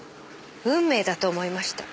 運命だと思いました。